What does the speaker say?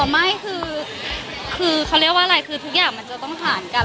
ไม่คือเขาเรียกว่าอะไรคือทุกอย่างมันจะต้องผ่านกัน